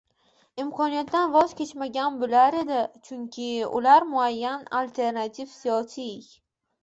imkoniyatdan, voz kechmagan bo‘lar edi, chunki ular muayyan alternativ siyosiy